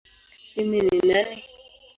Mimi ni nani?